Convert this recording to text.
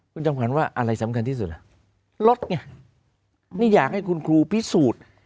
คุณจำขวัญว่าอะไรสำคัญที่สุดล่ะรถไงนี่อยากให้คุณครูพิสูจน์